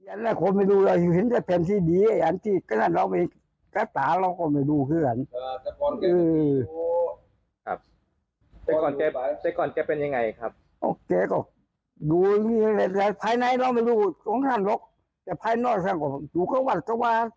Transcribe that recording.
โอเคก็ดูกันแม้ในเราไม่รู้ของท่านรกจะใครน่ะบอกสู่กระวัดก็ว่า